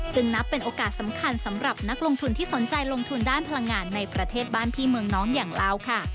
นับเป็นโอกาสสำคัญสำหรับนักลงทุนที่สนใจลงทุนด้านพลังงานในประเทศบ้านพี่เมืองน้องอย่างลาวค่ะ